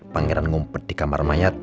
pangeran ngumpet di kamar mayat